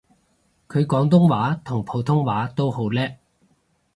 佢廣東話同普通話都好叻